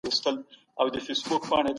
ماشومان دوستي جوړوي.